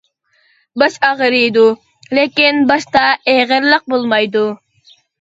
باش ئاغرىيدۇ، لېكىن باشتا ئېغىرلىق بولمايدۇ.